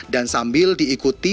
dan sambil diikuti